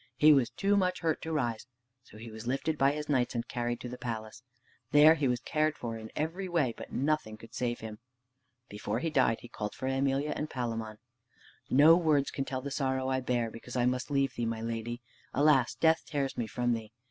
He was too much hurt to rise. So he was lifted by his knights and carried to the palace. There he was cared for in every way, but nothing could save him. Before he died, he called for Emelia and Palamon. "No words can tell the sorrow I bear because I must leave thee, my lady! Alas, death tears me from thee!